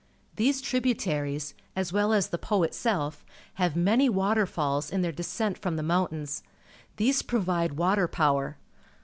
These tributaries, as well as the Po itself, have many waterfalls in their descent from the momitains. These pro\'ide water power.